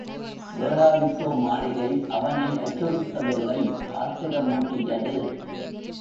வேளாவிக்கோ மாளிகை அவனை அச்சுறுத்தவில்லை ஆத்திரமூட்டியது.